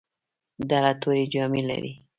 ډله تورې جامې لرلې.